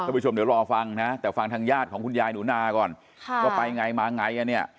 ประชุมเดี๋ยวรอฟังแต่ฟังทางยาดของคุณยายหนุนาว่าไปไงมาไง